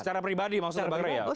secara pribadi maksudnya